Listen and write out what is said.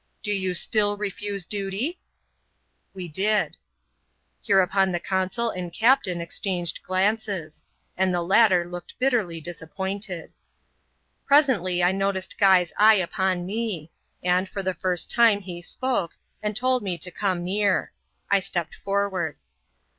Do you still refuse duty ?*' We did. Hereupon the consul and captain exchanged glances ; and the latter looked bitterly disappointed. Presently I noticed Guy's eye upon me ; and, for the first time, he spoke, and told me to come near. I stepped forward.